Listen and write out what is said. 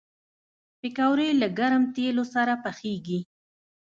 پکورې له ګرم تیلو سره پخېږي